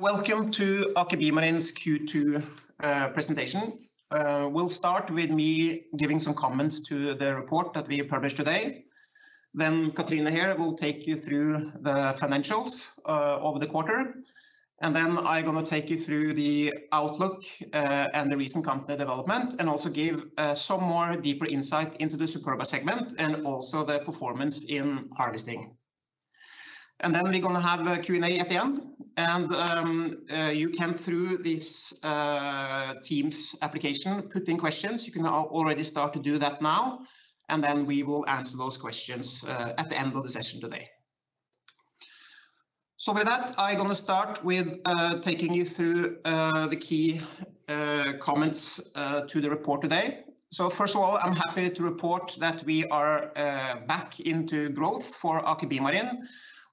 Welcome to Aker BioMarine's Q2 presentation. We'll start with me giving some comments to the report that we published today. Katrine here will take you through the financials of the quarter, and then I'm going to take you through the outlook and the recent company development, and also give some more deeper insight into the Superba segment and also the performance in harvesting. Then we're going to have a Q&A at the end. You can through this Teams application, put in questions. You can already start to do that now, and then we will answer those questions at the end of the session today. With that, I'm going to start with taking you through the key comments to the report today. First of all, I'm happy to report that we are back into growth for Aker BioMarine,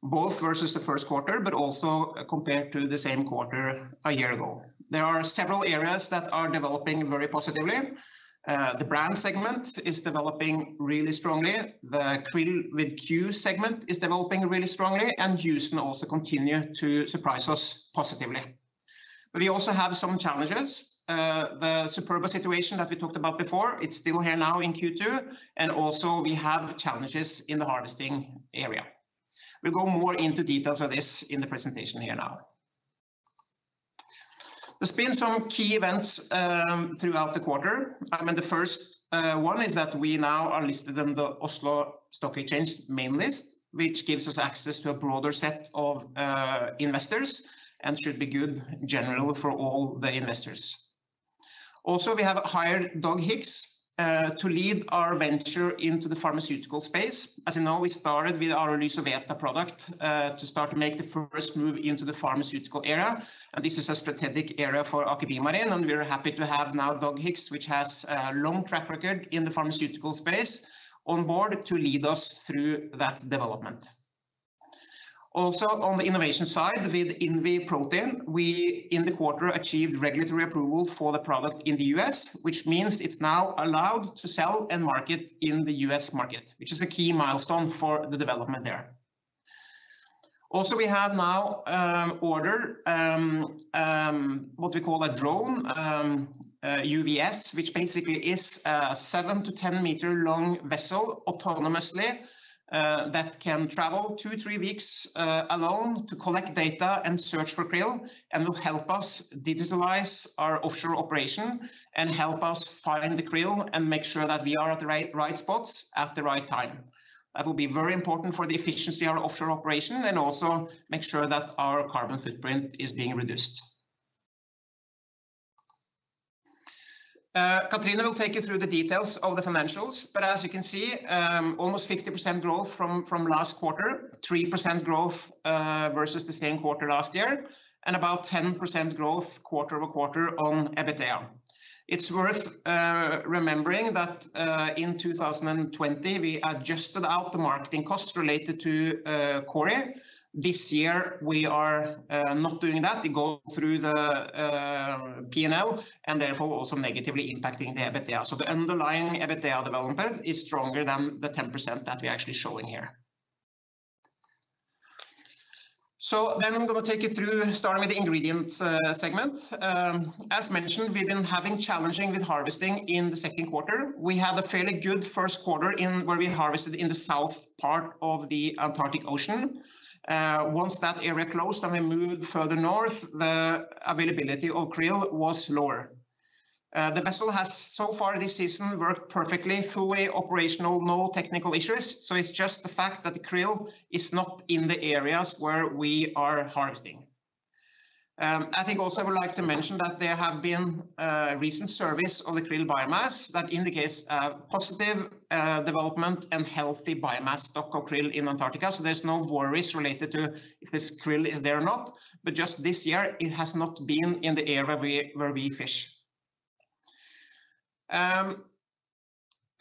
both versus the first quarter, but also compared to the same quarter a year ago. There are several areas that are developing very positively. The brand segment is developing really strongly. The QRILL segment is developing really strongly and also continue to surprise us positively. We also have some challenges. The Superba situation that we talked about before, it's still here now in Q2, and also we have challenges in the harvesting area. We'll go more into details of this in the presentation here now. There's been some key events throughout the quarter. The first one is that we now are listed on the Oslo Stock Exchange main list, which gives us access to a broader set of investors and should be good in general for all the investors. Also, we have hired Doug Hicks to lead our venture into the pharmaceutical space. As you know, we started with our Lysoveta product to start to make the first move into the pharmaceutical area. This is a strategic area for Aker BioMarine, and we are happy to have now Doug Hicks, which has a long track record in the pharmaceutical space on board to lead us through that development. Also on the innovation side with INVI Protein, we in the quarter achieved regulatory approval for the product in the U.S., which means it's now allowed to sell and market in the U.S. market, which is a key milestone for the development there. We have now ordered what we call a drone, UVS, which basically is a 7-10-meter-long vessel autonomously, that can travel two-three weeks alone to collect data and search for krill and will help us digitalize our offshore operation and help us find the krill and make sure that we are at the right spots at the right time. That will be very important for the efficiency of our offshore operation and also make sure that our carbon footprint is being reduced. Katrine will take you through the details of the financials, but as you can see, almost 50% growth from last quarter, 3% growth versus the same quarter last year, and about 10% growth quarter-over-quarter on EBITDA. It's worth remembering that in 2020, we adjusted out the marketing costs related to Kori. This year, we are not doing that. We go through the P&L and therefore also negatively impacting the EBITDA. The underlying EBITDA development is stronger than the 10% that we're actually showing here. I'm going to take you through and start with the ingredients segment. As mentioned, we've been having challenging with harvesting in the second quarter. We had a fairly good first quarter where we harvested in the south part of the Antarctic Ocean. Once that area closed and we moved further north, the availability of krill was lower. The vessel has so far this season worked perfectly, fully operational, no technical issues. It's just the fact that krill is not in the areas where we are harvesting. I think also I would like to mention that there have been recent surveys of the krill biomass that indicates a positive development and healthy biomass stock of krill in Antarctica. There's no worries related to if this krill is there or not, but just this year it has not been in the area where we fish.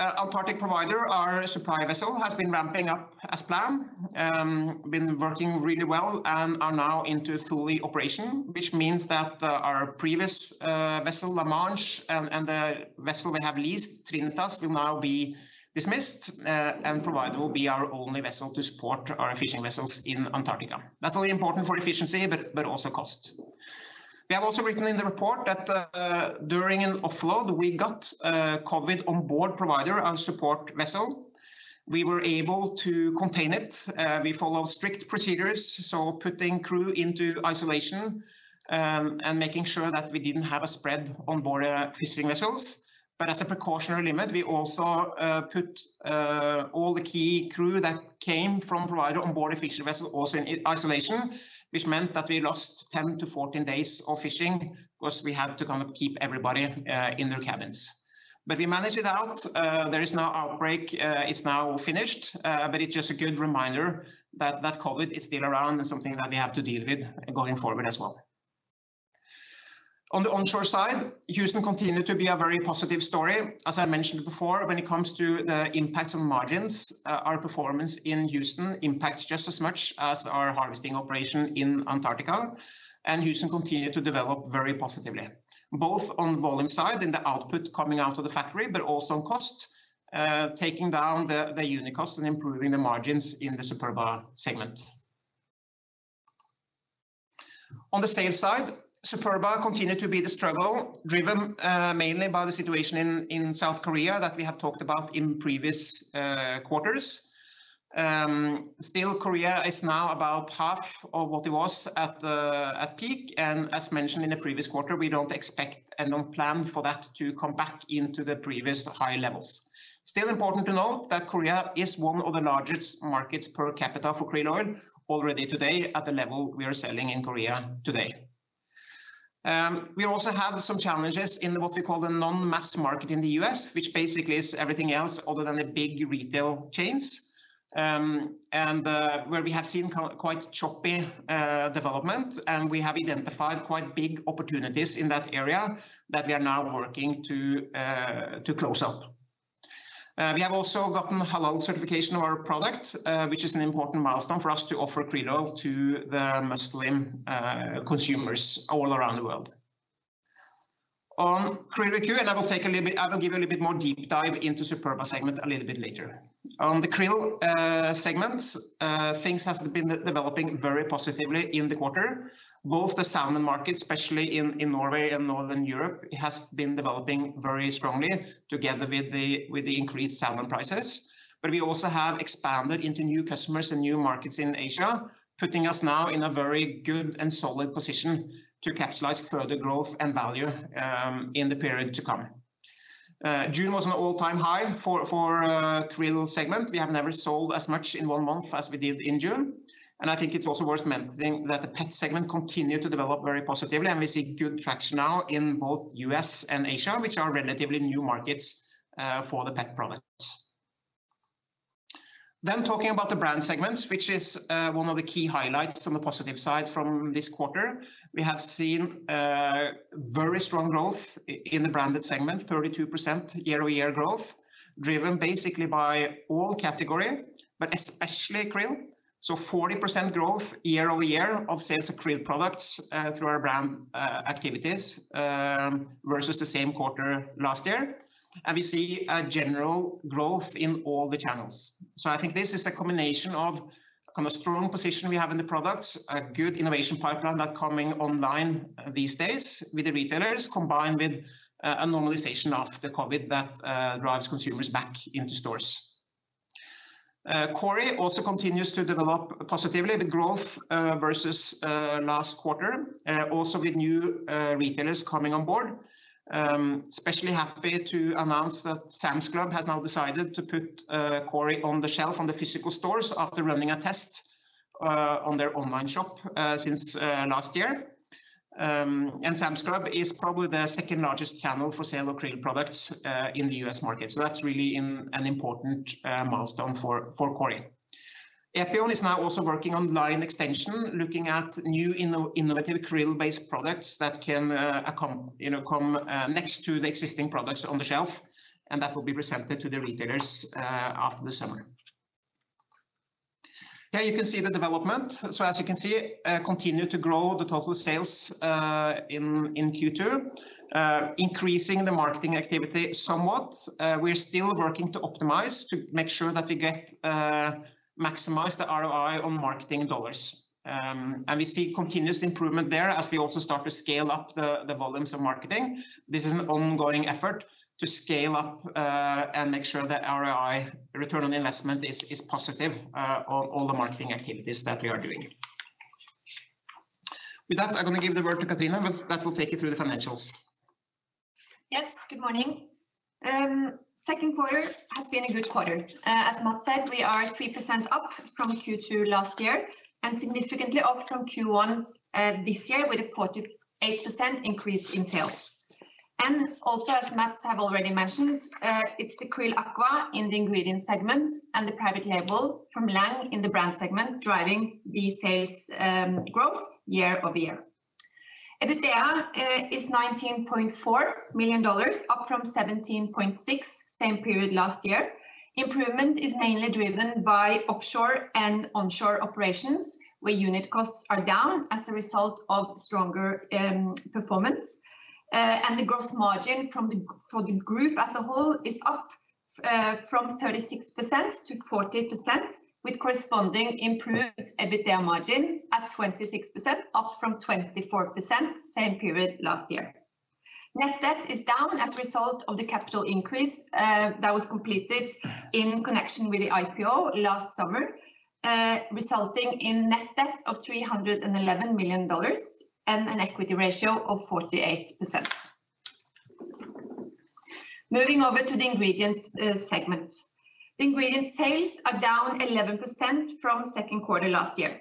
Antarctic Provider, our supply vessel has been ramping up as planned. Been working really well and are now into fully operation, which means that our previous vessel, La Manche, and the vessel we have leased, Trinitas, will now be dismissed, and Provider will be our only vessel to support our fishing vessels in Antarctica, not only important for efficiency but also cost. We have also written in the report that during an offload, we got COVID on board Provider, our support vessel. We were able to contain it. We follow strict procedures, so putting crew into isolation, and making sure that we didn't have a spread on board our fishing vessels. As a precautionary limit, we also put all the key crew that came from Provider on board the fishing vessel also in isolation, which meant that we lost 10-14 days of fishing because we had to kind of keep everybody in their cabins. We managed it out. There is no outbreak, it's now finished. It's just a good reminder that COVID is still around and something that we have to deal with going forward as well. On the onshore side, Houston continue to be a very positive story. As I mentioned before, when it comes to the impact on margins, our performance in Houston impacts just as much as our harvesting operation in Antarctica. Houston continue to develop very positively. Both on volume side and the output coming out of the factory, but also on cost, taking down the unit cost and improving the margins in the Superba segment. On the sales side, Superba continued to be the struggle driven mainly by the situation in South Korea that we have talked about in previous quarters. Still, Korea is now about half of what it was at peak, and as mentioned in the previous quarter, we don't expect and don't plan for that to come back into the previous high levels. Still important to note that Korea is one of the largest markets per capita for krill oil already today at the level we are selling in Korea today. We also have some challenges in what we call the non-mass market in the U.S., which basically is everything else other than the big retail chains, and where we have seen quite choppy development, and we have identified quite big opportunities in that area that we are now working to close up. We have also gotten halal certification of our product, which is an important milestone for us to offer krill to the Muslim consumers all around the world. On QRILL Aqua, I will give a little bit more deep dive into Superba segment a little bit later. On the krill segments, things have been developing very positively in the quarter. Both the salmon market, especially in Norway and Northern Europe, has been developing very strongly together with the increased salmon prices. We also have expanded into new customers and new markets in Asia, putting us now in a very good and solid position to capitalize further growth and value in the period to come. June was an all-time high for krill segment. We have never sold as much in one month as we did in June. I think it's also worth mentioning that the pet segment continued to develop very positively, and we see good traction now in both U.S. and Asia, which are relatively new markets for the pet products. Talking about the brand segments, which is one of the key highlights on the positive side from this quarter, we have seen very strong growth in the branded segment, 32% year-over-year growth, driven basically by all category, but especially krill. 40% growth year-over-year of sales of krill products through our brand activities versus the same quarter last year. We see a general growth in all the channels. I think this is a combination of a strong position we have in the products, a good innovation pipeline that coming online these days with the retailers, combined with a normalization after the COVID that drives consumers back into stores. Kori also continues to develop positively with growth versus last quarter, also with new retailers coming on board. Especially happy to announce that Sam's Club has now decided to put Kori on the shelf on the physical stores after running a test on their online shop since last year. Sam's Club is probably the second-largest channel for sale of krill products in the U.S. market. That's really an important milestone for Kori. Aker BioMarine is now also working on line extension, looking at new innovative krill-based products that can come next to the existing products on the shelf, and that will be presented to the retailers after the summer. Here you can see the development. As you can see, continue to grow the total sales in Q2 increasing the marketing activity somewhat. We're still working to optimize to make sure that we maximize the ROI on marketing dollars. We see continuous improvement there as we also start to scale up the volumes of marketing. This is an ongoing effort to scale up and make sure the ROI, return on investment, is positive on all the marketing activities that we are doing. With that, I'm going to give the word to Katrine, who will take you through the financials. Yes, good morning. Second quarter has been a good quarter. As Matts said, we are 3% up from Q2 last year and significantly up from Q1 this year with a 48% increase in sales. Also, as Matts have already mentioned, it's the QRILL Aqua in the ingredient segment and the private label from Lang in the brand segment driving the sales growth year-over-year. EBITDA is $19.4 million, up from $17.6 same period last year. Improvement is mainly driven by offshore and onshore operations, where unit costs are down as a result of stronger performance. The gross margin for the group as a whole is up from 36%-40%, with corresponding improved EBITDA margin at 26%, up from 24% same period last year. Net debt is down as a result of the capital increase that was completed in connection with the IPO last summer, resulting in net debt of $311 million and an equity ratio of 48%. Moving over to the ingredients segment. The ingredient sales are down 11% from second quarter last year.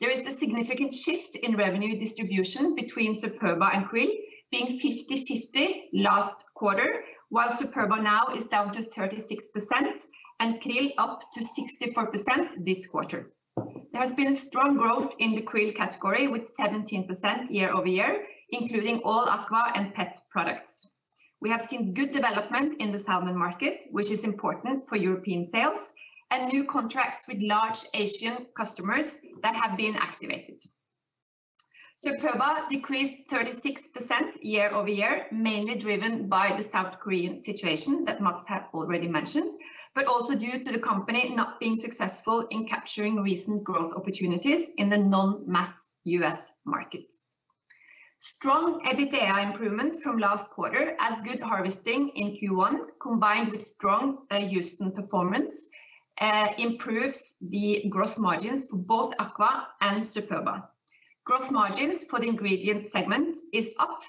There is a significant shift in revenue distribution between Superba and krill being 50/50 last quarter, while Superba now is down to 36% and krill up to 64% this quarter. There has been strong growth in the krill category with 17% year-over-year, including all aqua and pet products. We have seen good development in the salmon market, which is important for European sales, and new contracts with large Asian customers that have been activated. Superba decreased 36% year-over-year, mainly driven by the South Korean situation that Matts has already mentioned, but also due to the company not being successful in capturing recent growth opportunities in the non-mass U.S. market. Strong EBITDA improvement from last quarter as good harvesting in Q1 combined with strong Houston performance improves the gross margins for both Aqua and Superba. Gross margins for the ingredient segment is up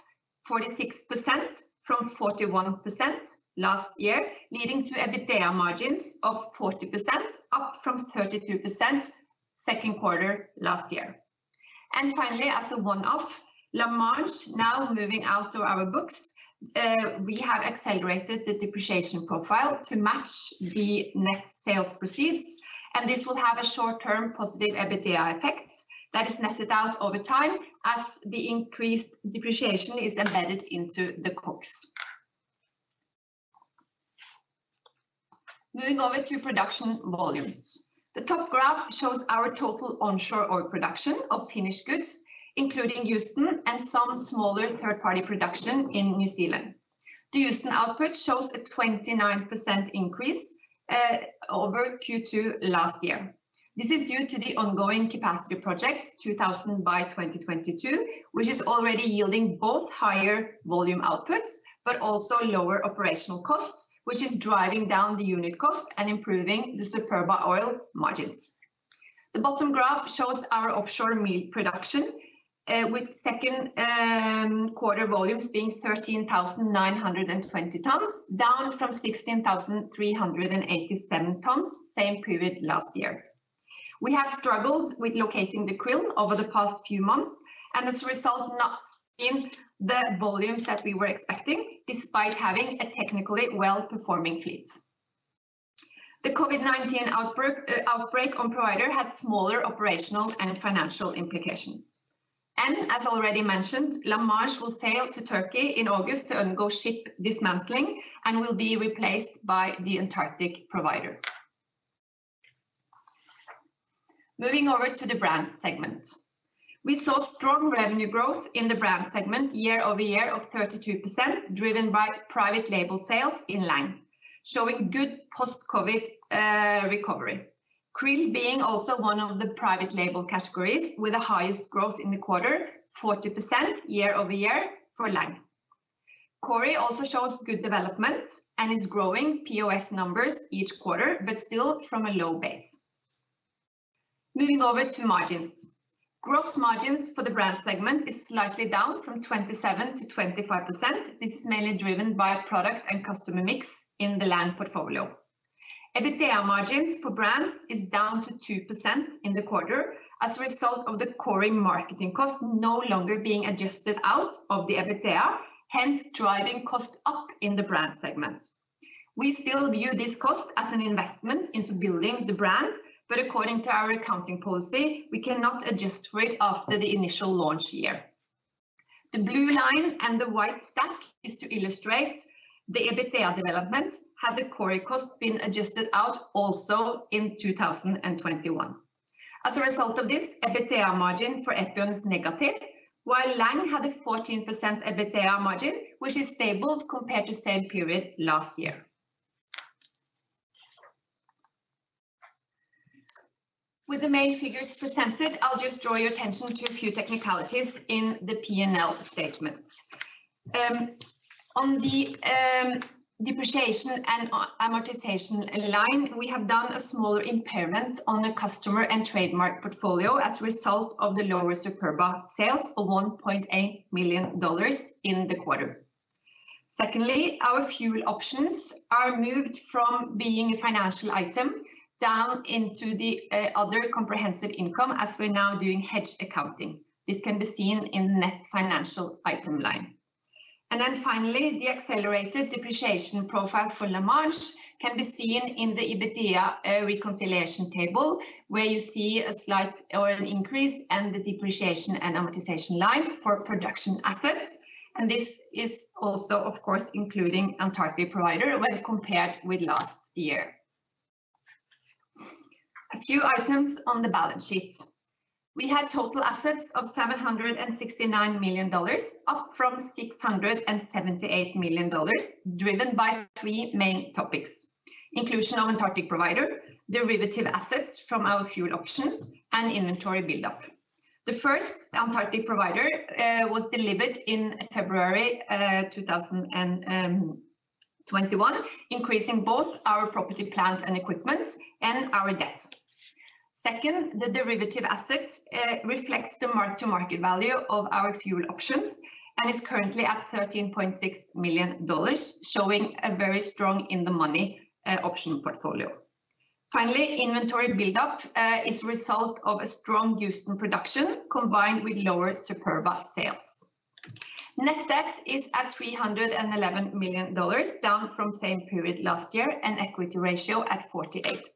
46% from 41% last year, leading to EBITDA margins of 40% up from 32% second quarter last year. Finally, as a one-off, La Manche now moving out of our books. We have accelerated the depreciation profile to match the net sales proceeds, this will have a short-term positive EBITDA effect that is netted out over time as the increased depreciation is then headed into the costs. Moving over to production volumes. The top graph shows our total onshore oil production of finished goods, including Houston and some smaller third-party production in New Zealand. The Houston output shows a 29% increase over Q2 last year. This is due to the ongoing capacity project 2000 by 2022, which is already yielding both higher volume outputs but also lower operational costs, which is driving down the unit cost and improving the Superba oil margins. The bottom graph shows our offshore meat production, with second quarter volumes being 13,920 tons, down from 16,387 tons same period last year. We have struggled with locating the krill over the past few months, and as a result, not seeing the volumes that we were expecting despite having a technically well-performing fleet. The COVID-19 outbreak on Provider had smaller operational and financial implications. As already mentioned, La Manche will sail to Turkey in August to undergo ship dismantling and will be replaced by the Antarctic Provider. Moving over to the brands segment. We saw strong revenue growth in the brand segment year-over-year of 32%, driven by private label sales in Lang, showing good post-COVID recovery. Krill being also one of the private label categories with the highest growth in the quarter, 40% year-over-year for Lang. Kori also shows good developments and is growing POS numbers each quarter but still from a low base. Moving over to margins. Gross margins for the brand segment is slightly down from 27%-25%. This is mainly driven by product and customer mix in the Lang portfolio. EBITDA margins for brands is down to 2% in the quarter as a result of the Kori marketing cost no longer being adjusted out of the EBITDA, hence driving cost up in the brand segment. We still view this cost as an investment into building the brand, but according to our accounting policy, we cannot adjust for it after the initial launch year. The blue line and the white stack is to illustrate the EBITDA development had the Kori cost been adjusted out also in 2021. As a result of this, EBITDA margin for Aker BioMarine is negative, while Lang had a 14% EBITDA margin, which is stable compared to the same period last year. With the main figures presented, I'll just draw your attention to a few technicalities in the P&L statement. On the depreciation and amortization line, we have done a small impairment on the customer and trademark portfolio as a result of the lower Superba sales of $1.8 million in the quarter. Secondly, our fuel options are moved from being a financial item down into the other comprehensive income as we're now doing hedge accounting. This can be seen in net financial item line. Finally, the accelerated depreciation profile for La Manche can be seen in the EBITDA reconciliation table where you see a slight increase in the depreciation and amortization line for production assets. This is also, of course, including Antarctic Provider when compared with last year. A few items on the balance sheet. We had total assets of $769 million, up from $678 million, driven by three main topics. Inclusion of Antarctic Provider, derivative assets from our fuel options, and inventory build-up. The first Antarctic Provider was delivered in February 2021, increasing both our property, plant, and equipment and our debt. Second, the derivative assets reflect the mark-to-market value of our fuel options and is currently at $13.6 million, showing a very strong in-the-money option portfolio. Finally, inventory build-up is a result of a strong Houston production combined with lower Superba sales. Net debt is at $311 million, down from the same period last year, and equity ratio at 48%.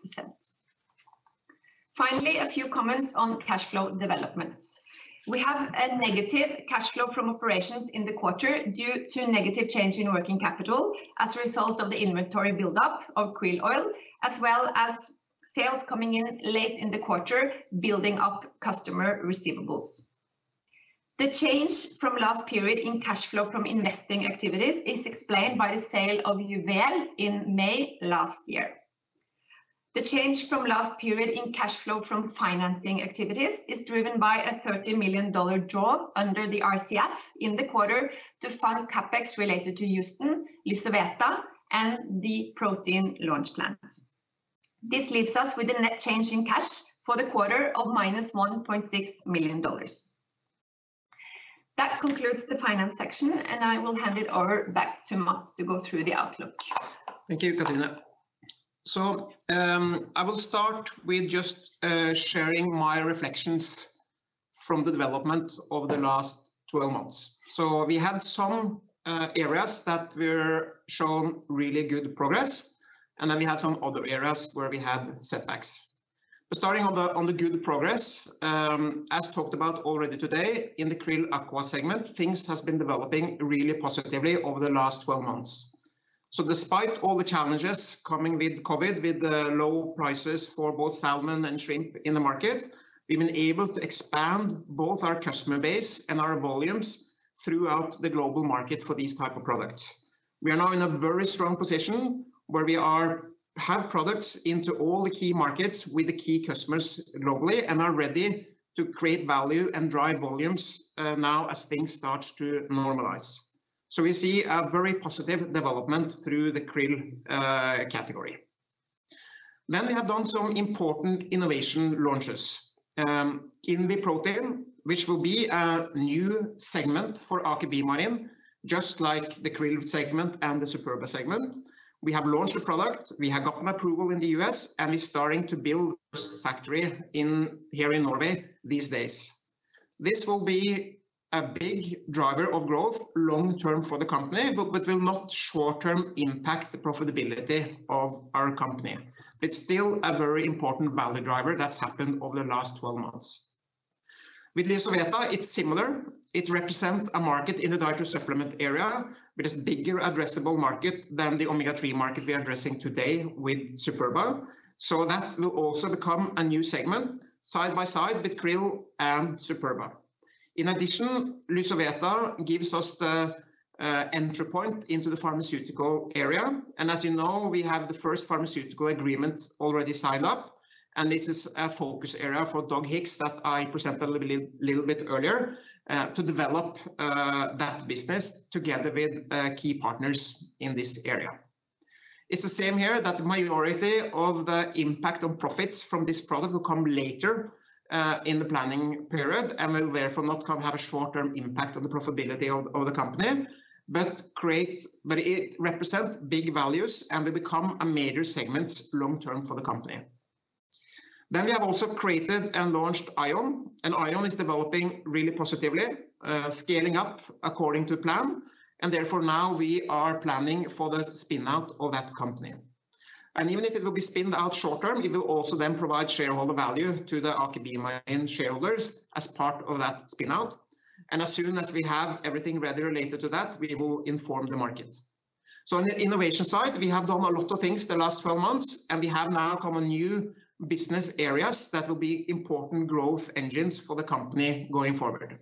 Finally, a few comments on cash flow developments. We have a negative cash flow from operations in the quarter due to a negative change in working capital as a result of the inventory build-up of krill oil, as well as sales coming in late in the quarter, building up customer receivables. The change from last period in cash flow from investing activities is explained by the sale of Juvel in May last year. The change from last period in cash flow from financing activities is driven by a $30 million draw under the RCF in the quarter to fund CapEx related to Houston, Lysoveta and the protein launch plans. This leaves us with a net change in cash for the quarter of -$1.6 million. That concludes the finance section, and I will hand it over back to Matts to go through the outlook. Thank you, Katrine. I will start with just sharing my reflections from developments over the last 12 months. We had some areas that showed really good progress, and then we had some other areas where we had setbacks. Starting on the good progress, as talked about already today, in the QRILL Aqua segment, things have been developing really positively over the last 12 months. Despite all the challenges coming with COVID, with the low prices for both salmon and shrimp in the market, we've been able to expand both our customer base and our volumes throughout the global market for these types of products. We are now in a very strong position where we have products into all the key markets with the key customers globally and are ready to create value and drive volumes now as things start to normalize. We see a very positive development through the krill category. We have done some important innovation launches. In the protein, which will be a new segment for Aker BioMarine, just like the krill segment and the Superba segment. We have launched a product, we have gotten approval in the U.S., and we're starting to build a factory here in Norway these days. This will be a big driver of growth long-term for the company, but it will not short-term impact the profitability of our company. It's still a very important value driver that's happened over the last 12 months. With Lysoveta, it's similar. It represents a market in the dietary supplement area with a bigger addressable market than the Omega-3 market we are addressing today with Superba. That will also become a new segment side by side with krill and Superba. In addition, Lysoveta gives us the entry point into the pharmaceutical area. As you know, we have the first pharmaceutical agreements already signed up, and this is a focus area for Doug Hicks that I presented a little bit earlier, to develop that business together with key partners in this area. It's the same here that the majority of the impact on profits from this product will come later in the planning period and will therefore not have a short-term impact on the profitability of the company. It represents big values and will become a major segment long-term for the company. We have also created and launched AION. AION is developing really positively, scaling up according to plan, and therefore now we are planning for the spin-out of that company. Even if it will be spinned out shorter, we will also then provide shareholder value to the Aker BioMarine shareholders as part of that spin-out. As soon as we have everything ready related to that, we will inform the market. On the innovation side, we have done a lot of things the last 12 months, and we have now common new business areas that will be important growth engines for the company going forward.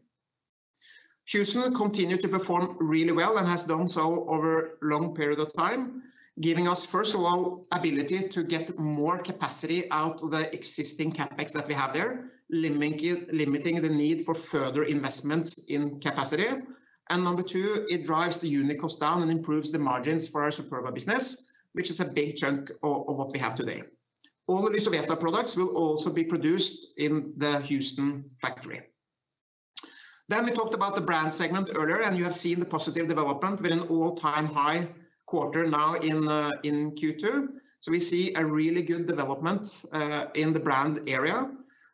Houston continued to perform really well and has done so over a long period of time, giving us, first of all, ability to get more capacity out of the existing CapEx that we have there, limiting the need for further investments in capacity. Number two, it drives the unit cost down and improves the margins for our Superba business, which is a big chunk of what we have today. All the Lysoveta products will also be produced in the Houston factory. We talked about the brand segment earlier, and you have seen the positive development with an all-time high quarter now in Q2. We see a really good development in the brand area,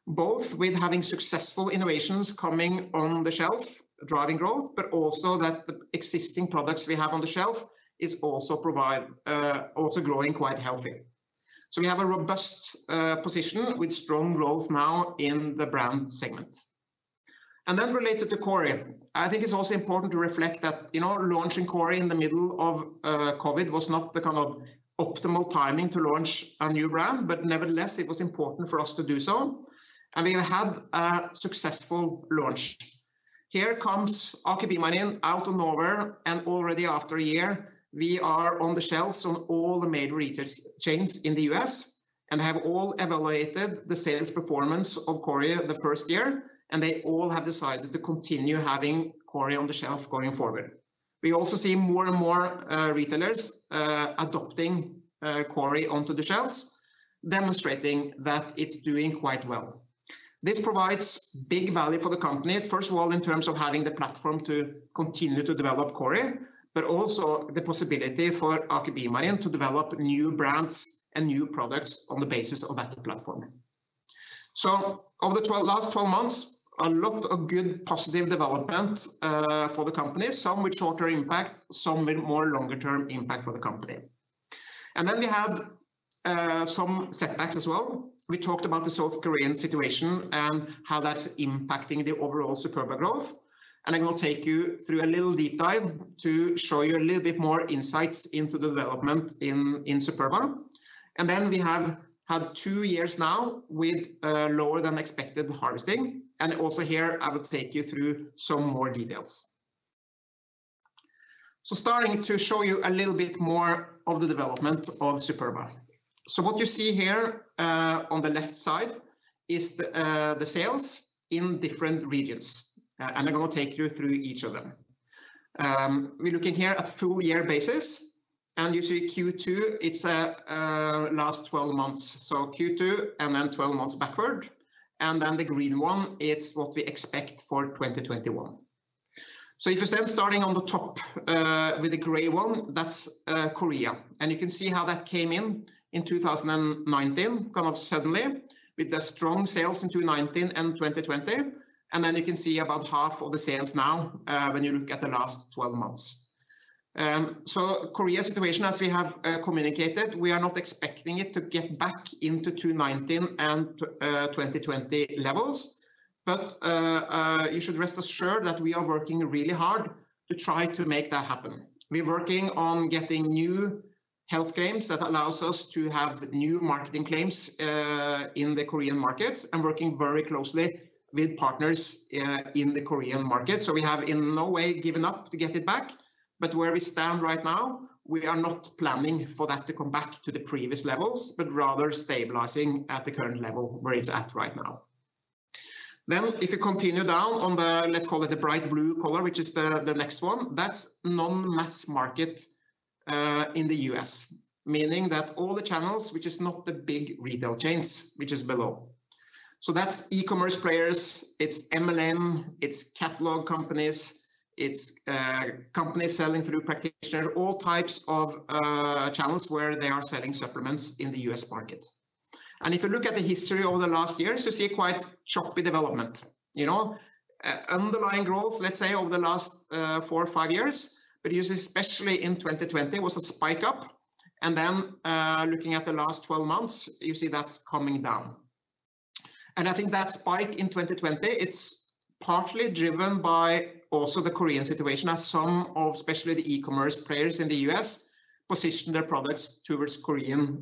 both with having successful innovations coming on the shelf, driving growth, but also that the existing products we have on the shelf is also growing quite healthy. We have a robust position with strong growth now in the brand segment. Related to Kori, I think it's also important to reflect that launching Kori in the middle of COVID was not the kind of optimal timing to launch a new brand, but nevertheless, it was important for us to do so. We have had a successful launch. Here comes Aker BioMarine out of nowhere, and already after a year, we are on the shelves on all the major retail chains in the U.S. and have all evaluated the sales performance of Kori the first year, and they all have decided to continue having Kori on the shelf going forward. We also see more and more retailers adopting Kori onto the shelves, demonstrating that it's doing quite well. This provides big value for the company, first of all, in terms of having the platform to continue to develop Kori, but also the possibility for Aker BioMarine to develop new brands and new products on the basis of that platform. Over the last 12 months, a lot of good positive development for the company, some with shorter impact, some with more longer-term impact for the company. We had some setbacks as well. We talked about the South Korean situation and how that's impacting the overall Superba growth. I will take you through a little deep dive to show you a little bit more insights into the development in Superba. We have had two years now with lower than expected harvesting. Also here, I will take you through some more details. Starting to show you a little bit more of the development of Superba. What you see here, on the left side, is the sales in different regions, and I'm going to take you through each of them. We're looking here at full year basis, and you see Q2, it's last 12 months, so Q2 and then 12 months backward, and then the green one, it's what we expect for 2021. If you say starting on the top, with the gray one, that's Korea. You can see how that came in in 2019, kind of suddenly with the strong sales in 2019 and 2020. Then you can see about half of the sales now, when you look at the last 12 months. Korea's situation as we have communicated, we are not expecting it to get back into 2019 and 2020 levels. You should rest assured that we are working really hard to try to make that happen. We're working on getting new health claims that allows us to have new marketing claims in the Korean market and working very closely with partners in the Korean market. We have in no way given up to get it back, but where we stand right now, we are not planning for that to come back to the previous levels, but rather stabilizing at the current level where it's at right now. If you continue down on the, let's call it the bright blue color, which is the next one, that's non-mass market, in the U.S. Meaning that all the channels, which is not the big retail chains, which is below. That's e-commerce players, it's MLM, it's catalog companies, it's companies selling through practitioners, all types of channels where they are selling supplements in the U.S. market. If you look at the history over the last years, you see quite choppy development. Underlying growth, let's say over the last four or five years, but you see especially in 2020 was a spike up. Looking at the last 12 months, you see that's coming down. I think that spike in 2020, it's partly driven by also the Korean situation as some of, especially the e-commerce players in the U.S., position their products towards Korean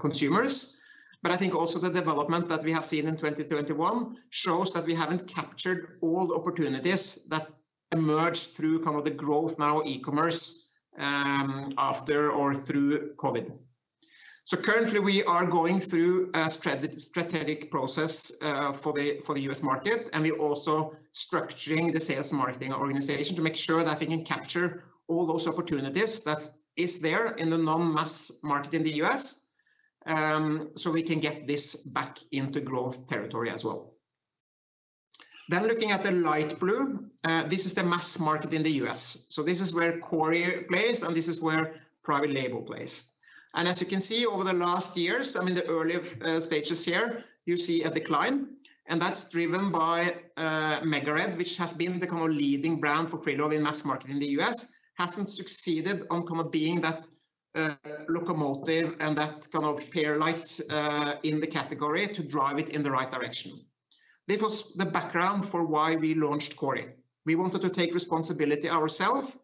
consumers. I think also the development that we have seen in 2021 shows that we haven't captured all opportunities that emerged through the growth in e-commerce, after or through COVID. Currently we are going through a strategic process for the U.S. market, and we're also structuring the sales marketing organization to make sure that we can capture all those opportunities that is there in the non-mass market in the U.S., so we can get this back into growth territory as well. Looking at the light blue, this is the mass market in the U.S. This is where Kori plays, and this is where private label plays. As you can see over the last years, in the earlier stages here, you see a decline and that's driven by MegaRed, which has been the leading brand for krill oil mass market in the U.S. Hasn't succeeded on being that locomotive and that kind of flare light, in the category to drive it in the right direction. This was the background for why we launched Kori. We wanted to take responsibility ourselves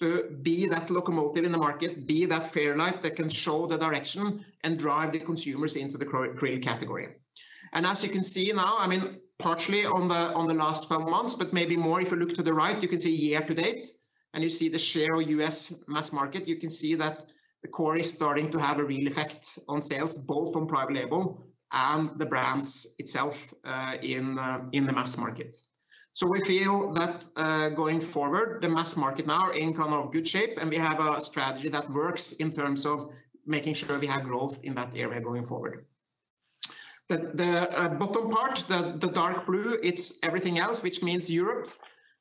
to be that locomotive in the market, be that flare light that can show the direction and drive the consumers into the krill category. As you can see now, partially on the last 12 months, but maybe more if you look to the right, you can see year to date, and you see the share of U.S. mass market. You can see that Kori is starting to have a real effect on sales, both on private label and the brands themselves, in the mass market. We feel that, going forward, the mass market now in good shape, and we have a strategy that works in terms of making sure we have growth in that area going forward. The bottom part, the dark blue, it's everything else, which means Europe,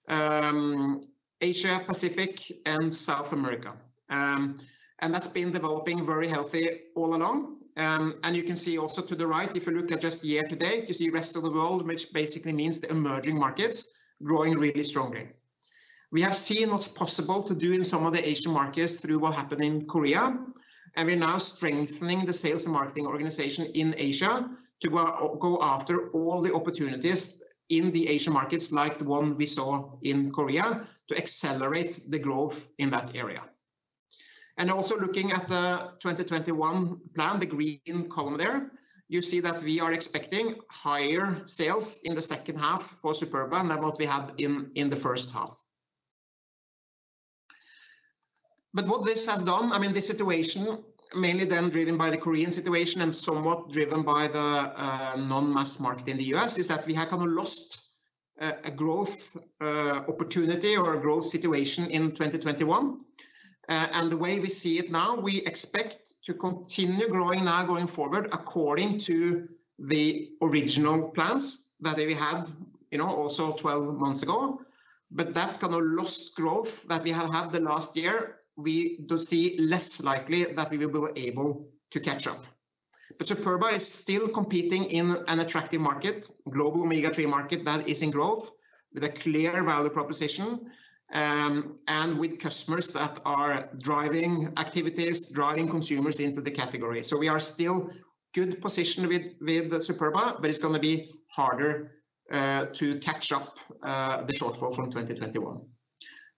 Asia, Pacific, and South America. That's been developing very healthy all along. You can see also to the right, if you look at just the year to date, you see rest of the world, which basically means emerging markets growing really strongly. We have seen what's possible to do in some of the Asian markets through what happened in Korea, and we're now strengthening the sales marketing organization in Asia to go after all the opportunities in the Asian markets like the one we saw in Korea to accelerate the growth in that area. Also looking at the 2021 plan, the green column there, you see that we are expecting higher sales in the second half for Superba than what we have in the first half. What this has done, this situation mainly then driven by the Korean situation and somewhat driven by the non-mass market in the U.S., is that we have lost a growth opportunity or a growth situation in 2021. The way we see it now, we expect to continue growing now going forward according to the original plans that we had also 12 months ago. That kind of lost growth that we have had the last year, we do see less likely that we will be able to catch up. Superba is still competing in an attractive market, global Omega-3 market that is in growth, with a clear value proposition, and with customers that are driving activities, driving consumers into the category. We are still good positioned with Superba, but it's going to be harder to catch up the shortfall from 2021.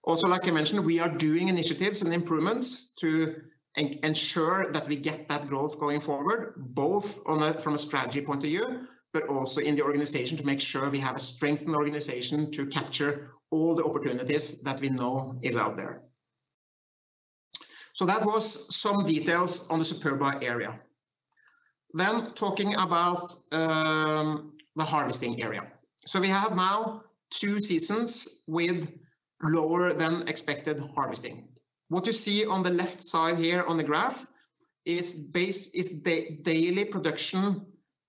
Like I mentioned, we are doing initiatives and improvements to ensure that we get that growth going forward, both from a strategy point of view, but also in the organization to make sure we have a strengthened organization to capture all the opportunities that we know is out there. That was some details on the Superba area. Talking about the harvesting area. We have now two seasons with lower than expected harvesting. What you see on the left side here on the graph is the daily production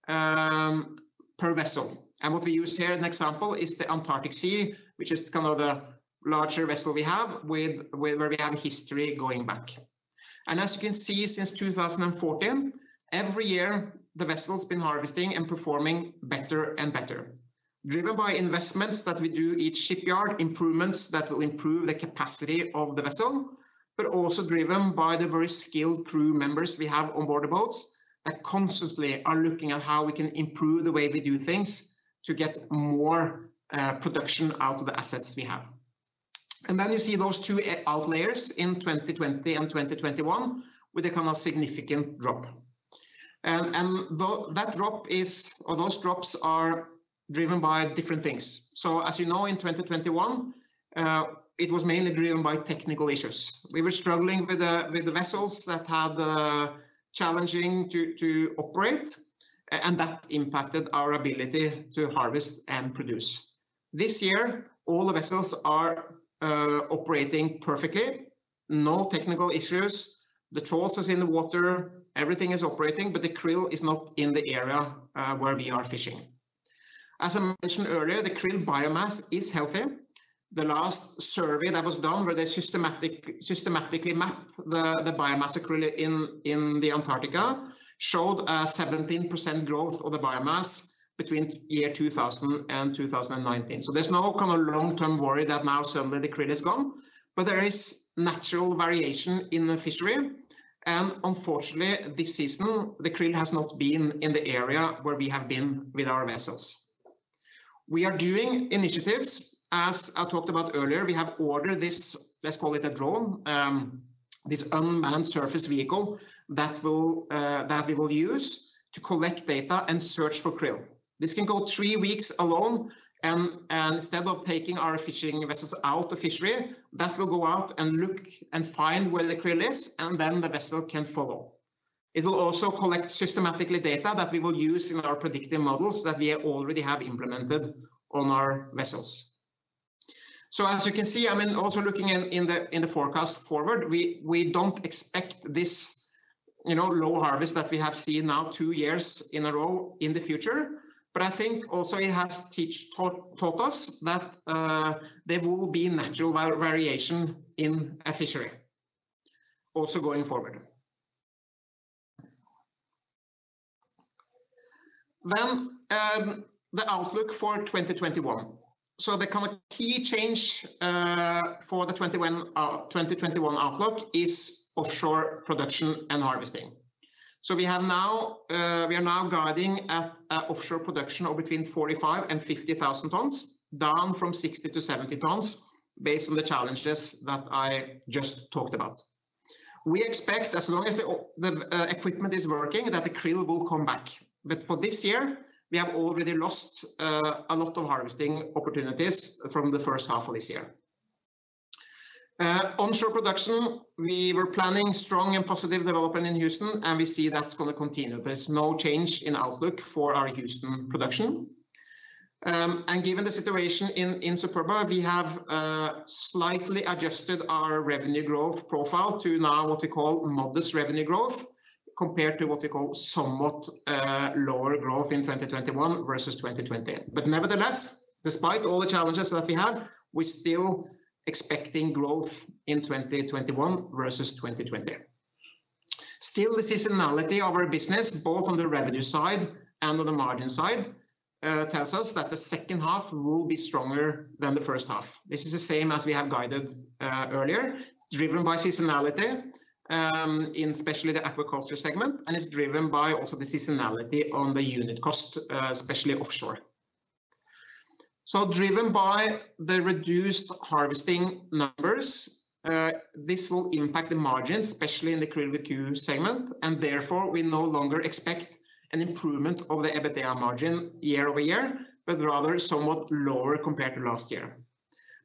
per vessel. What we use here, an example is the Antarctic Sea, which is kind of the larger vessel we have where we have a history going back. As you can see since 2014, every year the vessel's been harvesting and performing better and better, driven by investments that we do each shipyard, improvements that will improve the capacity of the vessel, but also driven by the very skilled crew members we have on board the boats that constantly are looking at how we can improve the way we do things to get more production out of the assets we have. You see those two outliers in 2020 and 2021 with a kind of significant drop. Those drops are driven by different things. As you know, in 2021, it was mainly driven by technical issues. We were struggling with the vessels that had challenging to operate, and that impacted our ability to harvest and produce. This year, all the vessels are operating perfectly. No technical issues. The trawl is in the water, everything is operating, but the krill is not in the area where we are fishing. As I mentioned earlier, the krill biomass is healthy. The last survey that was done where they systematically map the biomass krill in the Antarctica showed a 17% growth of the biomass between year 2000 and 2019. There's no kind of long-term worry that now suddenly the krill is gone. There is natural variation in the fishery, and unfortunately this season the krill has not been in the area where we have been with our vessels. We are doing initiatives, as I talked about earlier. We have ordered this, let's call it a drone, this unmanned surface vehicle that we will use to collect data and search for krill. This can go three weeks alone and instead of taking our fishing vessels out of fishery, that will go out and look and find where the krill is and then the vessel can follow. It will also collect systematically data that we will use in our predictive models that we already have implemented on our vessels. As you can see, also looking in the forecast forward, we don't expect this low harvest that we have seen now two years in a row in the future. I think also it has taught us that there will be natural variation in a fishery also going forward. The outlook for 2021. The kind of key change for the 2021 outlook is offshore production and harvesting. We are now guiding at offshore production of between 45,000 and 50,000 tons, down from 60,000-70,000 tons based on the challenges that I just talked about. We expect as long as the equipment is working that the krill will come back. For this year, we have already lost a lot of harvesting opportunities from the first half of this year. Onshore production, we were planning strong and positive development in Houston and we see that's going to continue. There's no change in outlook for our Houston production. Given the situation in Superba, we have slightly adjusted our revenue growth profile to now what we call modest revenue growth compared to what we call somewhat lower growth in 2021 versus 2020. Nevertheless, despite all the challenges that we have, we're still expecting growth in 2021 versus 2020. Still, the seasonality of our business, both on the revenue side and on the margin side, tells us that the second half will be stronger than the first half. This is the same as we have guided earlier, driven by seasonality, in especially the aquaculture segment, and it's driven by also the seasonality on the unit cost, especially offshore. Driven by the reduced harvesting numbers, this will impact the margin, especially in the QRILL segment, and therefore we no longer expect an improvement over the EBITDA margin year-over-year, but rather somewhat lower compared to last year.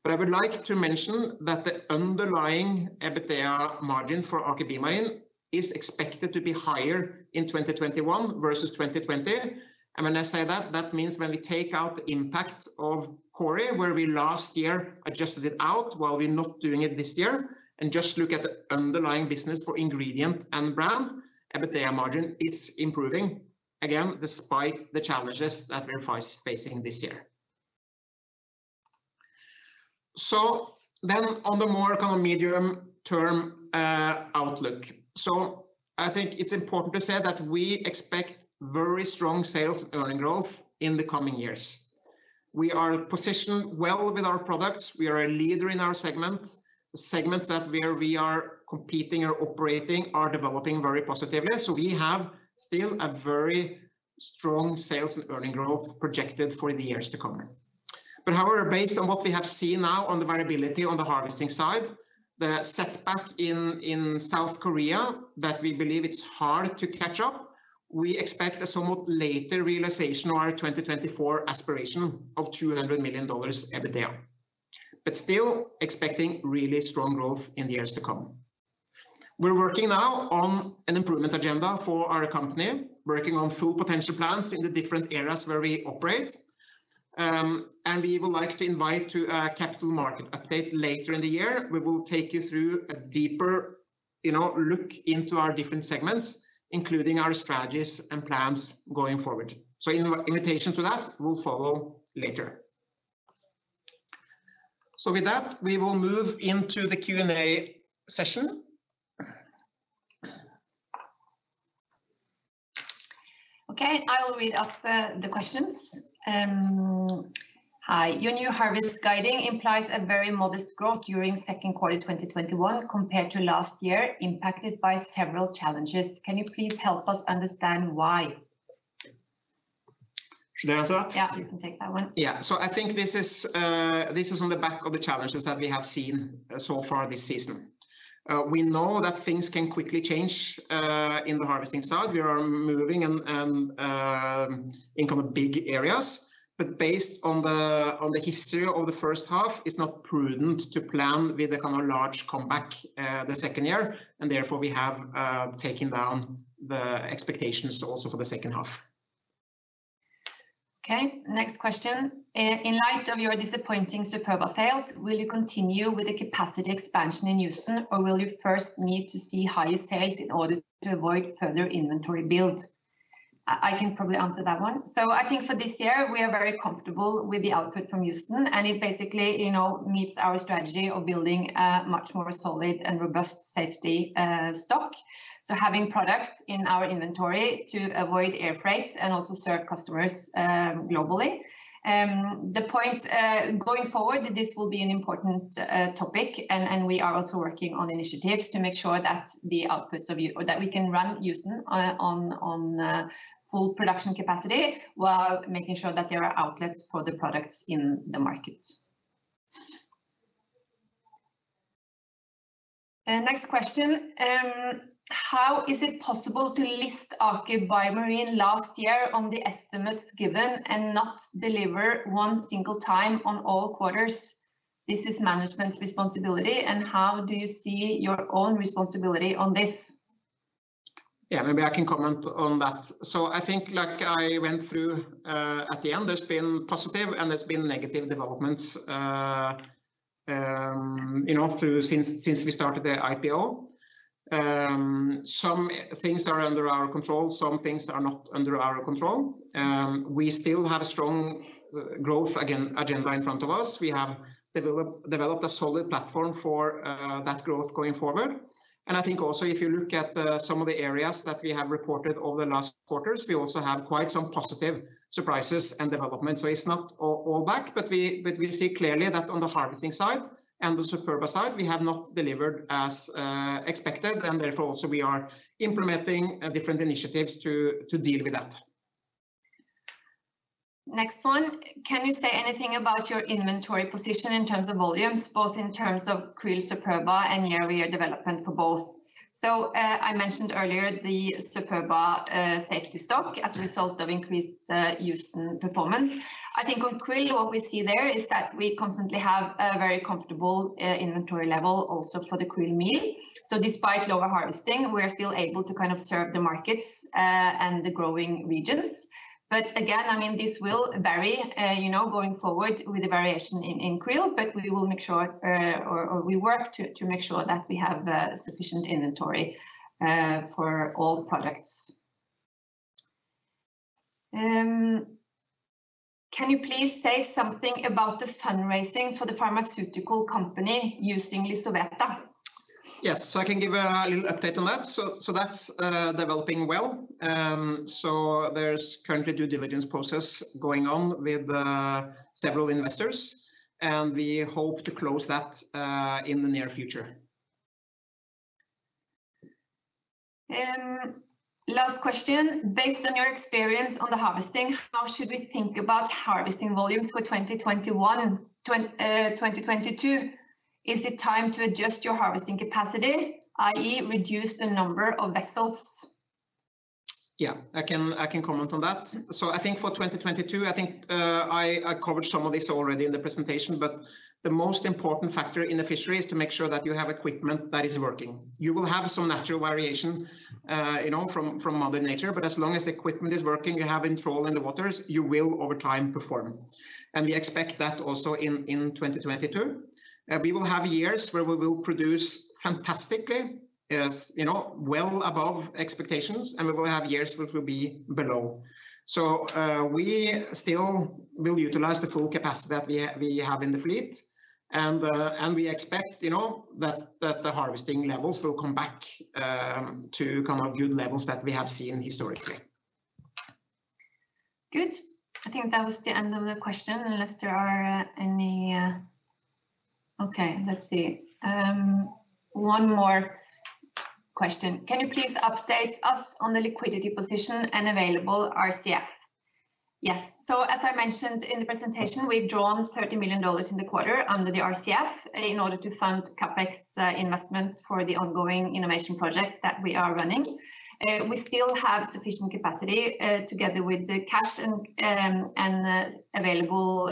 I would like to mention that the underlying EBITDA margin for Aker BioMarine is expected to be higher in 2021 versus 2020. When I say that means when we take out the impact of Kori, where we last year adjusted it out, while we are not doing it this year and just look at the underlying business for ingredient and brand, EBITDA margin is improving again despite the challenges that we are facing this year. On the more medium-term outlook. I think it is important to say that we expect very strong sales earning growth in the coming years. We are positioned well with our products. We are a leader in our segments. The segments that we are competing or operating are developing very positively. We have still a very strong sales and earning growth projected for the years to come. However, based on what we have seen now on the variability on the harvesting side, the step-up in South Korea that we believe it's hard to catch up, we expect a somewhat later realization of our 2024 aspiration of $200 million EBITDA, but still expecting really strong growth in the years to come. We're working now on an improvement agenda for our company, working on full potential plans in the different areas where we operate. We would like to invite to a capital market update later in the year. We will take you through a deeper look into our different segments, including our strategies and plans going forward. An invitation to that will follow later. With that, we will move into the Q&A session. Okay, I will read out the questions. Hi. Your new harvest guiding implies a very modest growth during second quarter 2021 compared to last year, impacted by several challenges. Can you please help us understand why? Should I answer that? Yeah, you can take that one. I think this is on the back of the challenges that we have seen so far this season. We know that things can quickly change in the harvesting side. We are moving in big areas. But based on the history of the first half, it's not prudent to plan with a large comeback the second year, and therefore we have taken down the expectations also for the second half. Okay, next question. In light of your disappointing Superba sales, will you continue with the capacity expansion in Houston or will you first need to see higher sales in order to avoid further inventory build? I can probably answer that one. I think for this year, we are very comfortable with the output from Houston and it basically meets our strategy of building a much more solid and robust safety stock, having product in our inventory to avoid air freight and also serve customers globally. The point going forward, this will be an important topic and we are also working on initiatives to make sure that we can run Houston on full production capacity while making sure that there are outlets for the products in the market. Next question. How is it possible to list Aker BioMarine last year on the estimates given and not deliver one single time on all quarters? This is management responsibility and how do you see your own responsibility on this? Yeah, maybe I can comment on that. I think like I went through at the end, there's been positive and there's been negative developments since we started the IPO. Some things are under our control, some things are not under our control. We still have strong growth agenda in front of us. We have developed a solid platform for that growth going forward. I think also if you look at some of the areas that we have reported over the last quarters, we also have quite some positive surprises and developments. It's not all back, but we see clearly that on the harvesting side and the Superba side, we have not delivered as expected and therefore also we are implementing different initiatives to deal with that. Next one. Can you say anything about your inventory position in terms of volumes, both in terms of krill, Superba, and year-over-year development for both? I mentioned earlier the Superba safety stock as a result of increased Houston performance. I think with krill what we see there is that we constantly have a very comfortable inventory level also for the krill meal. Despite lower harvesting, we are still able to serve the markets and the growing regions. Again, this will vary going forward with the variation in krill, but we work to make sure that we have sufficient inventory for all products. Can you please say something about the fundraising for the pharmaceutical company using Lysoveta? Yes. I can give a little update on that. That's developing well. There's currently due diligence process going on with several investors and we hope to close that in the near future. Last question. Based on your experience on the harvesting, how should we think about harvesting volumes for 2021 and 2022? Is it time to adjust your harvesting capacity, i.e. reduce the number of vessels? Yeah, I can comment on that. I think for 2022, I think I covered some of this already in the presentation, but the most important factor in a fishery is to make sure that you have equipment that is working. You will have some natural variation from Mother Nature, but as long as the equipment is working and you have in troll in the waters, you will over time perform. We expect that also in 2022. We will have years where we will produce fantastically, well above expectations, and we will have years which will be below. We still will utilize the full capacity that we have in the fleet and we expect that the harvesting levels will come back to good levels that we have seen historically. Good. I think that was the end of the questions unless there are any. Okay, let's see. One more question. Can you please update us on the liquidity position and available RCF? Yes. As I mentioned in the presentation, we've drawn $30 million in the quarter under the RCF in order to fund CapEx investments for the ongoing innovation projects that we are running. We still have sufficient capacity together with the cash and available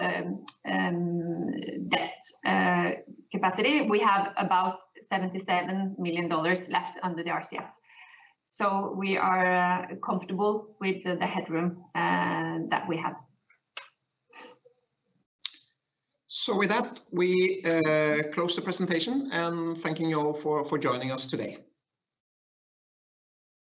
debt capacity. We have about $77 million left under the RCF. We are comfortable with the headroom that we have. With that, we close the presentation. Thanking you all for joining us today.